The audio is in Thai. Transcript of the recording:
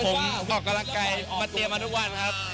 ผมออกกำลังกายมาเตรียมมาทุกวันครับ